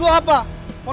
iya sama itu sih